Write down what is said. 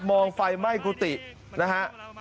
มองไฟไหม้กุฏินะฮะ